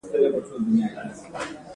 د نورو حقوق وپیژنئ